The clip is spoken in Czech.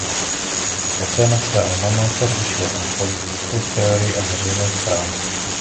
Poté na své "alma mater" učil politickou teorii a veřejnou správu.